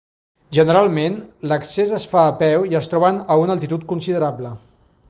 Generalment, l'accés es fa a peu i es troben a una altitud considerable.